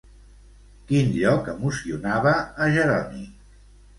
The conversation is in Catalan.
Quin lloc emocionava a Jeroni?